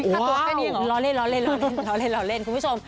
อุ้ยค่าตัวแค่นี้หรอร้อยเล่นคุณผู้ชม